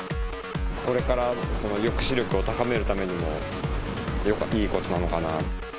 これからその抑止力を高めるためにもいいことなのかな。